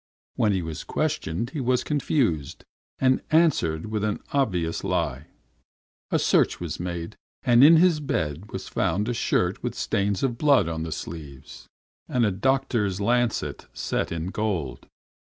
When he was questioned he was confused, and answered with an obvious lie. A search was made, and in his bed was found a shirt with stains of blood on the sleeves, and a doctor's lancet set in gold.